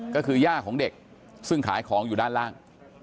ก็คือย่าของเด็กซึ่งขายของอยู่ด้านล่าง